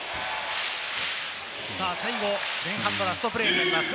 最後、前半のラストプレーになります。